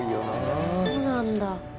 そうなんだ。